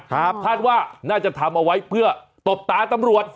คาดว่าน่าจะทำเอาไว้เพื่อตบตาตำรวจ